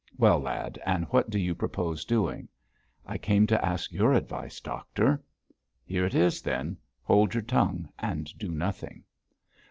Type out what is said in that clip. Well, lad, and what do you propose doing?' 'I came to ask your advice, doctor!' 'Here it is, then. Hold your tongue and do nothing.'